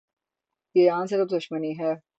ایران سے تو دشمنی ہے۔